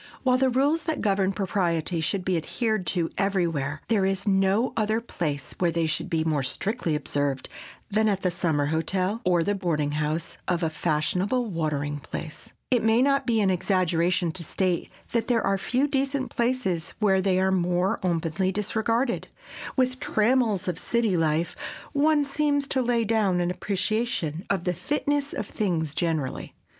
While the rules that govern propriety should be adhered to everywhere, there is no other place where they should be more strictly observed than at the summer hotel, or the boarding house of a fashionable watering place. It may not be an exaggeration to state that there are few decent places where they are more openly disregarded. With the trammels of city life one seems to lay down an appreciation of the fitness of things generally.